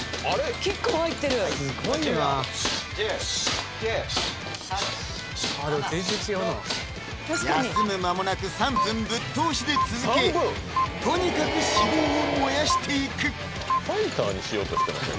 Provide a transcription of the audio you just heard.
キックも入ってる１０９８７６休む間もなく３分ぶっ通しで続けとにかく脂肪を燃やしていくファイターにしようとしてません？